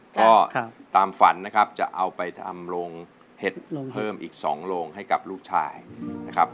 ก็ตามฝันนะครับจะเอาไปทำโรงเห็ดเพิ่มอีก๒โรงให้กับลูกชายนะครับ